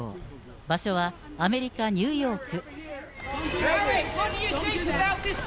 場所はアメリカ・ニューヨーク。